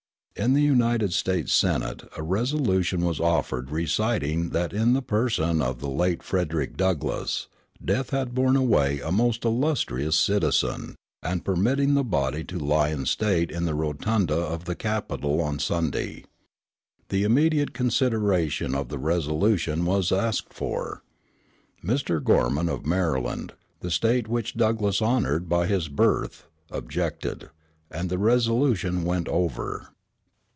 In the United States Senate a resolution was offered reciting that in the person of the late Frederick Douglass death had borne away a most illustrious citizen, and permitting the body to lie in state in the rotunda of the Capitol on Sunday. The immediate consideration of the resolution was asked for. Mr. Gorman, of Maryland, the State which Douglass honored by his birth, objected; and the resolution went over.